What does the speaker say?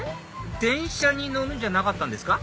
電車に乗るんじゃなかったんですか？